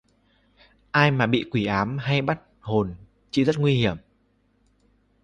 Ai mà bị quỷ ám hay bắt hồn chị rất nguy hiểm